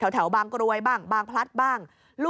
แถวบางกรวยบ้างบางพลัดบ้าง